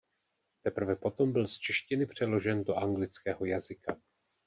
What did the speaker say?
Teprve potom byl z češtiny přeložen do anglického jazyka.